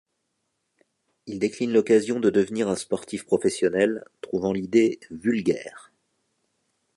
Il décline l'occasion de devenir un sportif professionnel, trouvant l'idée 'vulgaire'.